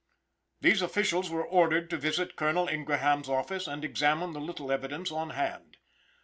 These officials were ordered to visit Colonel Ingraham's office and examine the little evidence on hand.